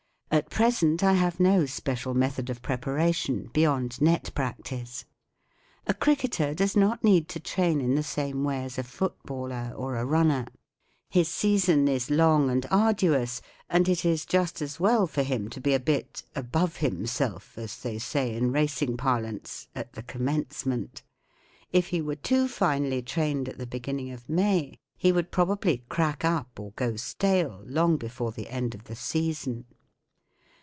At present I have no special method of preparation beyond net practice. A cricketer does not need to train in the same way as a footballer or a runner. His season is long and arduous, and it is just as well for him to be a bit above himself* as they say in racing parlance, at the commencement* If he were too finely trained at the beginning of May he would probably crack up or go stale Jong before the end of the season.